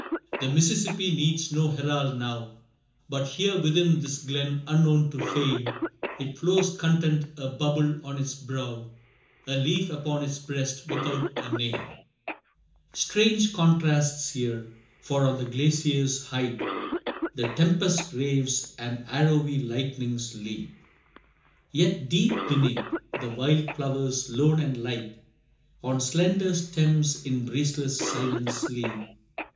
The Mississippi needs no herald now But here within this glen unknown to fame, It flows content a bubble on its brow, A leaf upon its breast without a name! [Illustration: Banks of the Mississippi] II. Strange contrasts here for on the glacier's height, The tempest raves, and arrowy lightnings leap Yet deep beneath, the wild flowers lone and light, On slender stems in breezeless silence sleep.